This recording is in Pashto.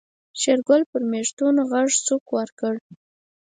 شېرګل پر مېږتون غوږ سوک ورکړ.